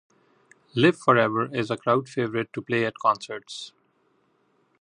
"Live Forever" is a crowd favorite to play at concerts.